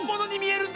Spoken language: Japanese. え？